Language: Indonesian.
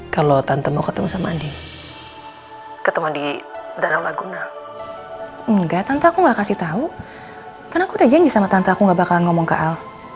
kan aku udah janji sama tante aku gak bakalan ngomong ke al